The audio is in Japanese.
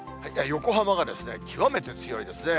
横浜が極めて強いですね。